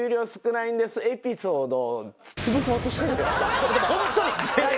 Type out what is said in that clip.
これでもホントに！